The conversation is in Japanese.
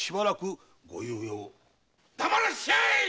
黙らっしゃい！